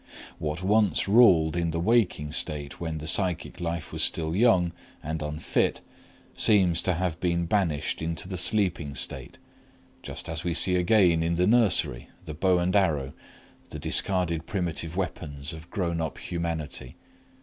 What once ruled in the waking state when the psychic life was still young and unfit seems to have been banished into the sleeping state, just as we see again in the nursery the bow and arrow, the discarded primitive weapons of grown up humanity.